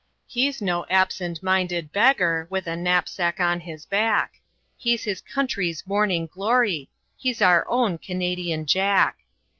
He's no "absent minded beggar" With a knapsack on his back; He's his country's Morning Glory! He's our own Canadian Jack!